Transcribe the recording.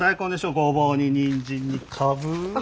ごぼうににんじんにかぶ。